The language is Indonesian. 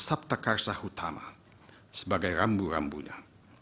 sabta karsa utama sebagai rambu rambunya